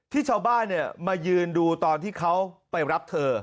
ชาวบ้านมายืนดูตอนที่เขาไปรับเธอ